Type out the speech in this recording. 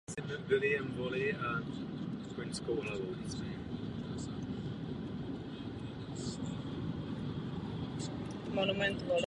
Tato věta je zároveň považována za zakládající větu teorie realismu ve studiu mezinárodních vztahů.